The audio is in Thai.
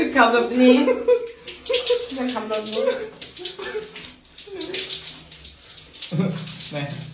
จะทำสิ่งที่จะทำแบบนี้